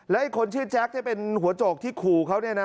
ไอ้คนชื่อแจ๊คที่เป็นหัวโจกที่ขู่เขาเนี่ยนะ